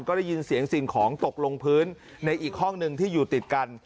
ก็ได้ยินเสียงสิ่งของตกลงพื้นในอีกห้องหนึ่งที่อยู่ติดกัน